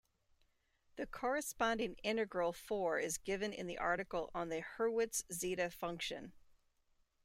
The corresponding integral for is given in the article on the Hurwitz zeta function.